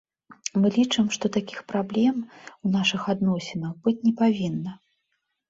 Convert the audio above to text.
Мы лічым, што такіх праблем у нашых адносінах быць не павінна.